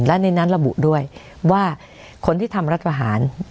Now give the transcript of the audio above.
และในนั้นระบุด้วยว่าคนที่ทำรัฐประหาร